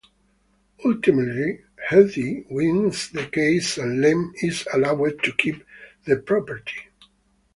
Ultimately, Hetty wins the case and Lem is allowed to keep the property.